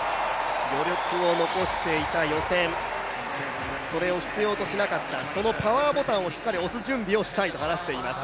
余力を残していた予選、それを必要としなかった、そのパワーボタンを押す準備をしたいと話をしていました。